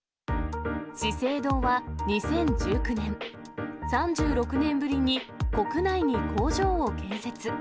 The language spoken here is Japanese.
資生堂は２０１９年、３６年ぶりに国内に工場を建設。